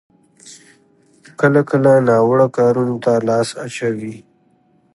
کله کله ناوړه کارونو ته لاس اچوي.